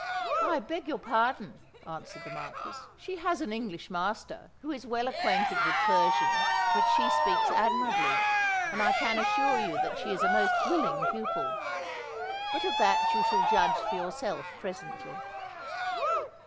"I beg your pardon," answered the Marquis. "She has an English master, who is well acquainted with Persian, which she speaks admirably; and I can assure you that she is a most willing pupil. But of that you shall judge for yourself presently."